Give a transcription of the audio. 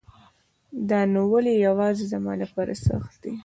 دا نو ولی يواځي زما لپاره سخت دی